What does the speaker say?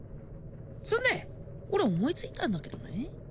それでね俺思いついたんだけどね